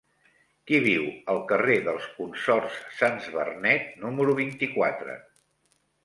Qui viu al carrer dels Consorts Sans Bernet número vint-i-quatre?